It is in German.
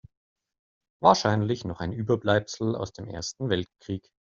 Wahrscheinlich noch ein Überbleibsel aus dem Ersten Weltkrieg.